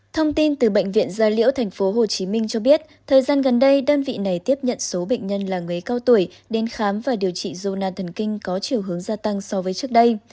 thông tin từ bệnh viện gia liễu tp hcm cho biết thời gian gần đây đơn vị này tiếp nhận số bệnh nhân là người cao tuổi đến khám và điều trị jona thần kinh có chiều hướng gia tăng so với trước đây